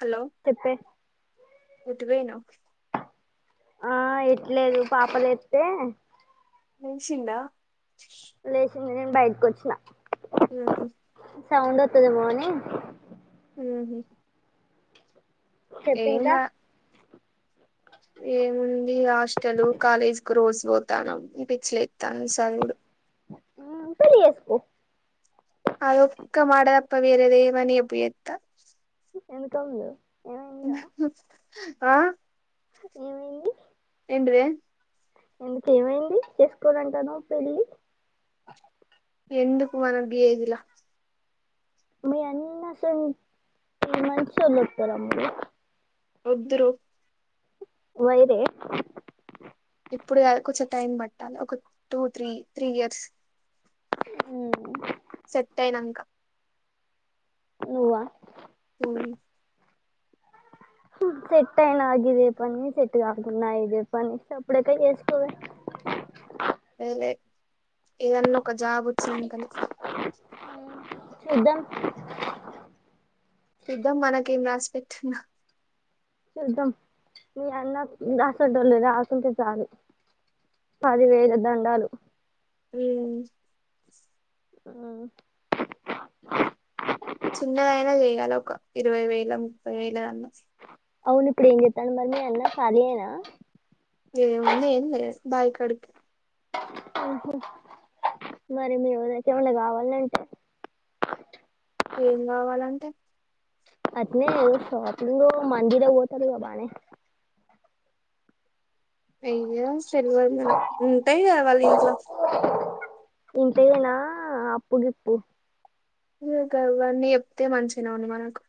Hello తెప్పే ఎటు బొయినావ్ ఆ ఎటు లేదు పాప లేతే లేషిండా లేషింది నేను బయటకొచ్చినా ఊహూ సౌండ్ వత్తది ఏమో అని ఊహూ చెప్పు ఇంకా ఏం ఉంది హాస్టలు కాలేజ్ కు రోజూ పోతానాం పిచ్చిలేత్తాంది సదువుడు ఊమ్ పెళ్లి చేసుకో అది ఒక్క మాట దప్ప వేరేది ఏమనీ ఎప్పు ఏత్తా ఎందుకు అములు ఆ ఏమైంది ఏంటిదే ఎందుకు ఏమైంది చేసుకోను అంటానావ్ పెళ్ళి ఎందుకు మనకు గీ ఏజ్ ల మీ అన్న అసలు [inaudible] మంచోల్లు వొత్తరా [inaudible] వొద్దురో వై రే ఇప్పుడు గాదు కొంచెం టైం పట్టాలి ఒక టూ త్రీ త్రీ ఇయర్స్ ఊ సెట్ అయినాంక నువ్వా ఊ సెట్ అయినా గీదే పని సెట్టు గాకున్నా ఇదే పని సప్పుడేకా చేేసుకోవే ఏలే ఏదన్నా ఒక జాబ్ వచ్చినంకనే చూద్దాం చుద్దాం మనకేం రాసిపెట్టుందొ చూద్దాం మీ అన్న ఇంగ అసంటోళ్లు రాకుంటే చాలు పది వేల దండాలు ఊ ఊ చినదైన చెయ్యాలి ఒక ఇరవై వేల ముప్పై వేల కన్నా అవును ఇప్పుడు ఏం చేస్తాడు మరి మీ అన్న కాలి ఏ నా ఏంఉంది ఏం లే బైకడికి మరి మీ ఉదచమళ [unintelligible] కావాలంటే ఏం కావాలంటే అట్లానే షాపింగ్ కో మందులకు పోతాడు గా బాగానే అయ్యా సలవ మ [unintelligible] నకు ఉంటాయి కదా వాళ్ళు ఇంట్లో ఇంతేన అప్పుగిప్పు ఇ కావన్నీ చెప్తే మంచిగానే ఉడి మనకు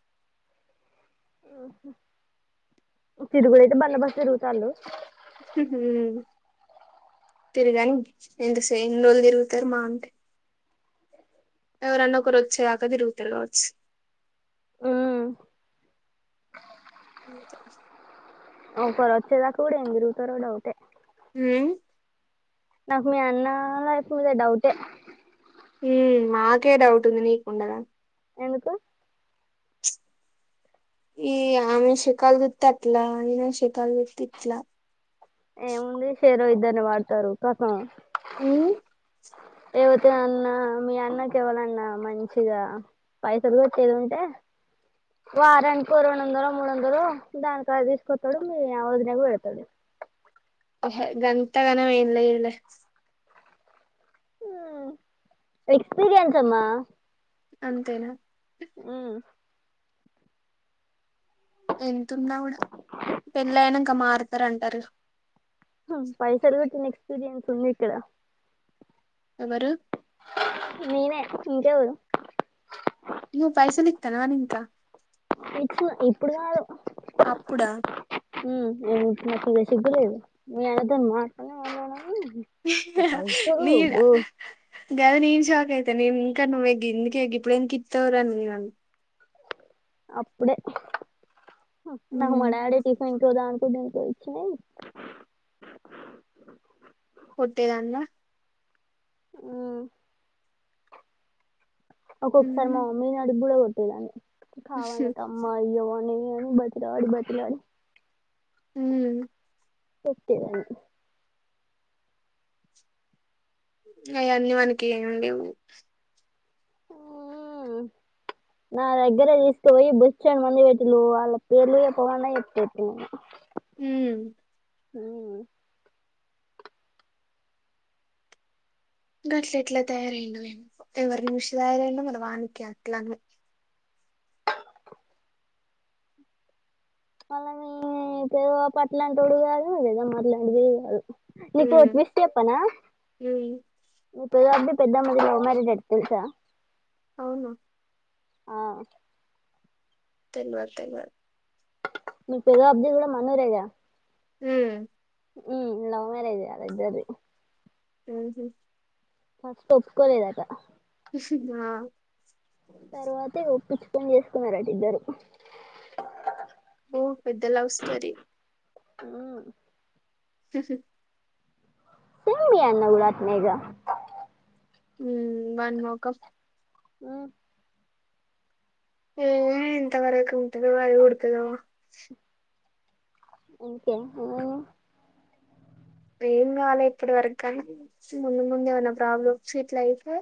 తిరుగులేతే బళ్ల్ బాస్ తిరుగుతలుు తిరుగాని ఎంత సే ఎన్ని రోజులు తిరుగుతారు మా అంటే ఎవరన్న ఒకరు వచ్చేదాకా తిరుగుతారు కావచ్చు [unintelligible] ఇంతే ఒక్కరు వచ్చేదాకా కూడా ఏం తిరుగుతారో డౌటే హు నాకు మీ అన్న లైఫ్ మీద డౌటే మాకే డౌట్ ఉంది నీకుండగా ఎందుకు ఈ ఆమె శికల్ దిదే తట్లా ఈన శికాల దిదే ఇట్ల ఏముంది షేర ఇద్దని పార్థతారు కథం హు ఎవర్త్ అన్నా మీ అన్నకి ఎవ్వాలన్నా మంచిగా పైసలు కొట్టేది ఉంటే వారానికి రెండు వందలో మూడు వందలో దానికద తీసుకొతాడు మీ వదినా పెడతాడు ఏహే గంతగనం ఏమీలేదు లే ఎక్స్పీీరియన్స్ అమ్మా అంతేనా హు ఎంతతున్నా కూడా పెళ్ళయినా మారుతారంటారు. పైసలు కటిన్ ఎక్స్పీరియన్స్ ఉందిక్కదా ఎవరు నీనే ఇంకేవఊరు నవు పైసలు ఇతనవ ఎక్స్ ఇప్పుడు కాదు అప్పుడ ఏ మసిగురద మా పైస బో గగాదా నీన్ శాక్ అయితతే న ఇంకా నువ్వె ఇందకగ ఇప్పుడు ఎంద ఇతవరా అన్నయ్య. అప్పుడే నాకు ఉమ్ మా డాడీ టిఫిన్ చేయడానికి దింపు నుకు నకో వచ్చినాయి కొట్టేదానివా అ ఒక్కొ ఒకసారి మా ఉమ్ మమ్మీ నడు కూడాడ గట్టదని కావాల తమ్ అయ్యో న బట్ రాడు బతిమి లాడు హ ఓకే తం అవన్నీ మనకి ఏమి లేవు ఉ నా దగ్గరే తీసుకపోయి బొచ్చెడు మంది పెటిల్లు వాళ్ళ పేర్లు చెప్పమన్న చెపేత నేను హ హ గట్లెట్లా తయారైండో ఏమో ఎవరిని చూషి తయారైండో మరి వానికే అట్లానో మళ్ళ మీ పెద్దబాపు పట్లంటోడు కాదు పెద్దమ్మ మాట్లాంటిదిగాదు నీకు ఓ ఉమ్ ట్విస్ట్ చెప్పన ఉమ్ పెద్ద బాపు ది పెద్దమ్మ ది లవ్ మ్యరేజ్ అట తేలుసా అవున ఆ తెల్వది తెల్వది మీ పెద్దబాపు ది కూడా మనురేగ హ ఉ లవ్ మ్యారేజ్ అల్ ఇద్దరిది అహ ఫస్ట్ ఒప్పుకోలేదాట ఆ తర్వాతే ఒప్పించుకొని చేసుకున్నారట ఇద్దరు ఓ పెద్ద లవ్ స్టోరి అ స సేమ్ మీ అన్న గూడ ఆత్నెగా ఉ వని మోఖం ఉ ఎంత వరకు ఉంటదొ అది ఉడుతదొ ఇంకే ఉ ఏం కాలే ఇప్పటి వరకు కానీ ముందు ముందు ఏమన్నా ప్రాబ్లమ్స్ గిట్లైతే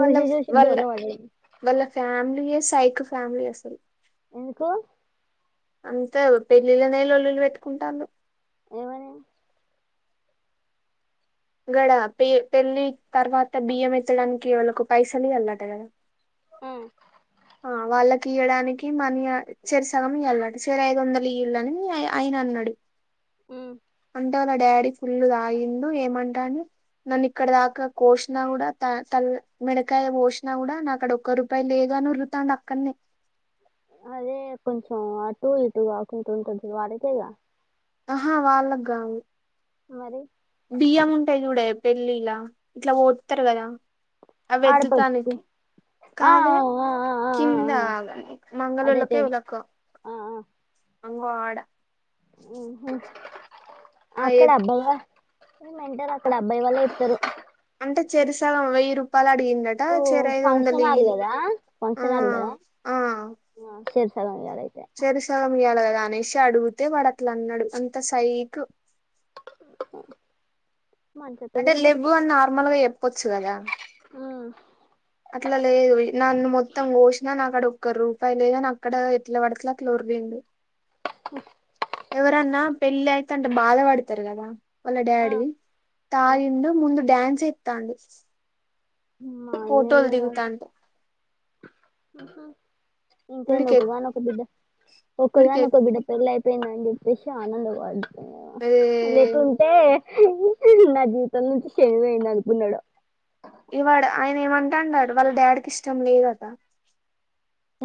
వాళ్ళ చూసి వాళ్ళ బోర్ల పడుడే వాళ్ళ ఫ్యామిలియే సైక్ ఫ్యామిలీ అసలు ఎందుకు అంత పెళ్ళిళ్ళనే లోల్లులు పెట్టుకుంటాలు ఏమని గడ పె పెళ్ళి తర్వాత బియ్యం ఎత్తడానికి ఎవలకో పైసలు ఇయ్యాల్లట గదా ఉ ఆ వాళ్ళకి ఇయడానికి మనీ చెరి సగం మియాలట చెరి ఐదు వందలు ఇయ్యూల్లి అని ఆయన అన్నాడు ఉ అంటే వాళ్ళ డాడీ ఫుల్ తాగిండు ఏమంటండు నన్ను ఇక్కడ దాకా కోసినా కూడా తల్ మెడకాయ కోసినా కూడా నాకాడ ఒక్క రూపాయి లేదు అని ఓరు తండు అక్కనే అదే కొంచెం అటు ఇటుగాకుంటూ ఉంటుంది వాడకేగా ఆ వాళ్ళకి కాదు మరి బియ్యం ఉంటాయి చూడు ఏ పెళ్ళిలా ఇట్లా పోత్తారు కదా అవి ఎత్తుతాను ఆడపడుచు ఆ కాదు ఆ ఆ ఆ ఆ ఆ కింద ఆ, అదే మంగళ్ళోళ్ళకీ తెలుసు ఓక కా ఆ ఆ అంగ్వాడ ఉహు ఆ అక్కడ ఎత్ అబ్బాయా ఏమంటారు అక్కడ అబ్బాయి వాళ్ళే వచ్చారు అంటే చెరిసగం వెయ్యి రూపాయలు అడిగిందా టా ఓ చెరి ఐదువందలు ఫంక్షన్ హాల్ ఇయ్యి కదా ఆ చేరి సగం కదా అయితే చేరి సగం ఇయ్యాలి కదా అనేసి అడుగుతే వాడు అట్లా అన్నాడు అంత సైకు మంచోడు అంటే ఎవరో లెబ్బు దొరికిండు అని నార్మల్ గా చెప్పొచ్చు కదా అట్లా లేదు నన్ను మొత్తం కోసినా నాకాడ ఒక్క రూపాయి లేదు నా అక్కడ ఎట్లొ అట్లా అట్లా ఉరికిండు ఉహ్ ఎవరన్నా పెళ్ళి అయితే అంటే బాధ పడతారు కదా వాళ్ళ ఆ డాడీ ఆ తాగిండు ముందు డ్యాన్స్ యేత్తాండు మా అయ్య ఫోటోలు దిగుతాంటే ఆహ ఎంతైనా ఒకగానొక బిడ్డ వీడికి ఒక్కగానొక బిడ్డ పెళ్ళ అయిపోయిందని చెప్పేసి ఆనంద పడుతున్నావ లేకుంటే నా జీవితం నుంచి శని పోయింది అనుకున్నాడొ ఇగ వాడు ఆయన ఏమంటా అన్నాడు వాళ్ళ డాడీకి ఇష్టం లేదాట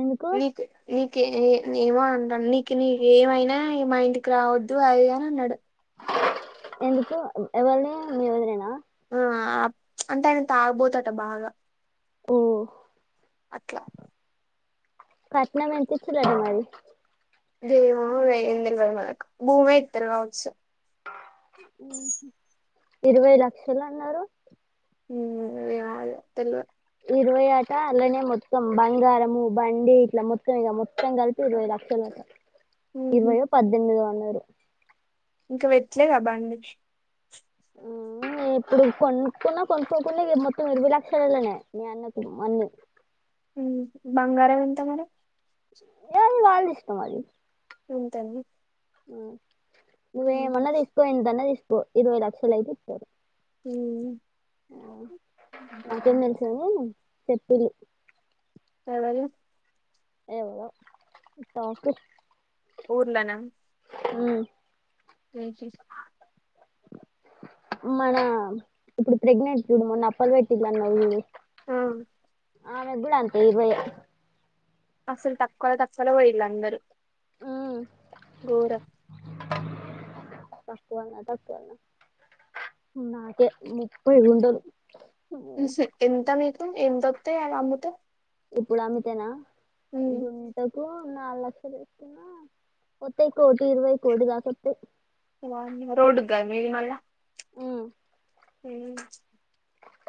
ఎందుకు నీకు నీకి ఏ ఏమో అంటాన్న నీకు నీ ఏమైనా మా ఇంటికి రావద్దు అది ఇది అన్నాడు ఎందుకు ఎవళిని మీ వదినేనా అంటే ఆయన తాగుబోతు అట బాగా ఓ అట్లా కట్నం ఎంత ఇచ్చినారు మరి భూమే ఇత్తారు కావచ్చు ఉహు ఇరవై లక్షలు అన్నారు మ్మ్ ఏమో ఇగ తెలవా ఇరవై అటా అలానే మొత్తం బంగారము బండి ఇట్లా మొత్తం ఇక మొత్తం కలిపి ఇరవై లక్షలు ఉహు ఇరవై యో పద్దెనిమిదో అన్నారు ఇంకా పెట్లేదు ఆ బండి ఉమ్, ఇప్పుడు కొనుక్కున్నా కొనుక్కోకుండా ఇగ మొత్తం ఇరవై లక్షలలోనే మీ అన్నకు మన్ను బంగారం ఎంత మరి ఏళ్ళు వాళ్ళ ఇష్టం అది ఇంతని నువ్వు ఏమన్నా తెచ్చుకో ఎంత అన్నా తీసుకో ఇరవై లక్షలు అయితే ఇత్తారు మ్మ్ [inaudible] చెప్పులు ఎవరు ఎవరో ఊర్లోనా మ్ ఏ శిష్మా మన ఇప్పుడు ప్రెగ్నెంట్ చూడు మొన్న అప్పలు పెట్టిందన్నావు చూడు. మ్ ఆమె కూడా అంతే ఇరవై యే అసలు తక్కువ లో తక్కువ లో పోయిల్ అందరూ ఘోరం తక్కువ తక్కువైనా నాకే ముప్ప ఉండదు. ఈ సెట్ ఎంత మీకు ఎంతొస్తాయి అవి అమ్మితే. ఇప్పుడు అమ్మితేనా ఉమ్ గుంటకు నాలుగు లక్షలు. వత్తాయి కోటి ఇరవై కోటి దాక వత్తాయి. రోడ్గా గదనే మళ్ళా మ్మ్ హ [unintelligible]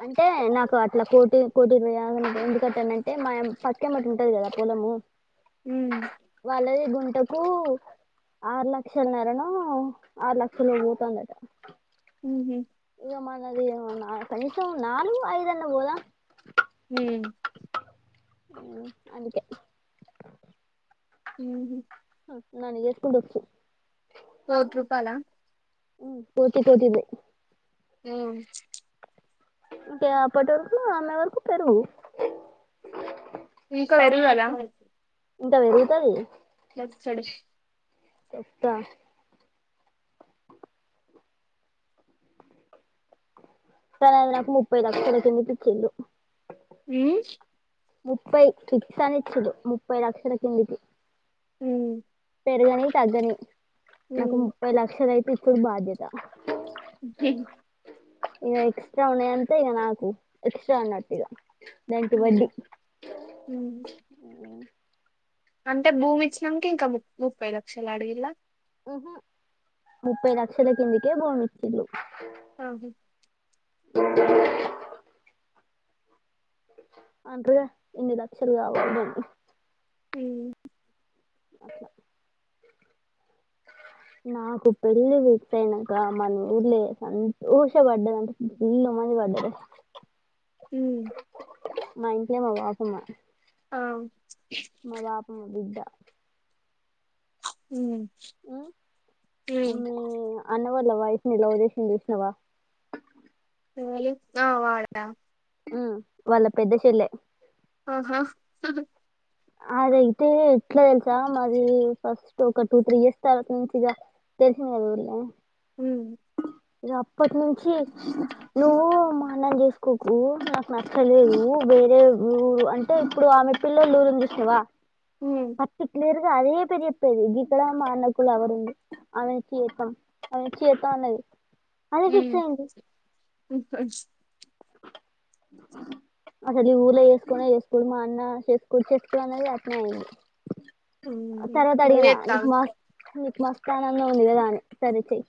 అంటే నాకు అట్లా కోటి కోటి, ఇరవై ఆదు ఎందుకు అంటానంటే మా పక్కెమటి ఉంటాది కదా పొలము. ఉమ్. వాళ్ళది గుంట కు ఆరు లక్షలన్నరనో, ఆరు లక్షలో పోతాందట. హుహ్మ్ ఇగ మనది కనీసం నాలుగూ, ఐదన్న పోదా? మ్ అవునా, అందుకే మ్హ్ నన్ను చేసుకుండచ్చు. కోట్ రూపాయలా? మ్ కోటి కోటిదే యావుచ్ ఇంకే అప్పటి వరకు ఆమె వరకు పెరుగు. ఇంకా పెరగదా? ఇంకా పెరుగుతాది. ఛ చ్చడసి ఎట్టా పైనా నాకు ముప్పై తక్కువ చేసి ఇచ్చిండు. మ్ క్చ్ ముప్పై ఇస్తా అని ఇచ్చిండు. ముప్పై లక్షల తొమ్మిది మ్ పెరగని, తగ్గని నాకు ఉమ్, ముప్పై లక్షలు అయితే ఇచ్చడు బాధ్యత. హి ఇక ఎక్స్ట్రా ఉన్నాయి అంటే ఇక నాకు ఎక్స్ట్రా అన్నట్ ఇక దానికి వడ్డీ. మ్ అవునా అంటే భూమి ఇచ్చినంక ఇంకా ముప్పై లక్షలు అడిగిల్లా మ్ హు ముప్పై లక్షల కిందకే భూమి ఇచ్చిర్రు. అవును అ అంట్రగా ఇన్ని లక్షలుగావండని హు అట్ల నాకు పెళ్ళి ఫిక్సైనంక మన ఊర్లే సంతోష పడ్డదంటె ఫుల్ మంది పడ్డారే అ మా ఇంట్లో మా బాపమ్మా అ మా బాపమ్మ బిడ్డ ఉ మీ అన్నవళ్ల వైఫ్ని లవ్ చేసింది చూసినవా ఎవల్ ఆ వాడ వాళ్ళ పెద్ద చెల్లె ఆహా అది అయితే ఎట్లా తెలుసా మాది ఫస్ట్ ఒక టూ త్రీ ఇయర్స్ తర్వాత నుంచి ఇగా తెల్సింది గద ఊల్లే ఉ ఇగ అప్పటి నుంచి నువ్వు మా అన్నను చేసు కుకు నాకు నచ్చలేదు వేరే ఊరు అంటే ఇప్పుడు ఆమె పిల్ల్లో లఊరు ఉందిసినవా చ్క్ లేరు అదే పెరు చెప్పేది గికడ మాఅన్నకు లవర్ ఉంది ఆమె నిచ్చి చేత్తం ఇత్త అన్నది అదే ఫిక్స్ అయింది అసలు ఈ ఊల చేసుకునే చేసుకోడు మా అన్న చేసుకోడు చెసుకోడు అనేది అత్నేయ్యింది తర్వాత మళ్ళీ అడిగిన చెత్తాగు నీకు మస్ నీకు మస్తానంద ఉంది కదాని సరిచేయి